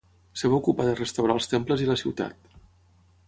Es va ocupar de restaurar els temples i la ciutat.